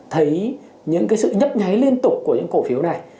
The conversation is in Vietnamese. thấy những cái sự nhấp nháy liên tục của những cổ phiếu này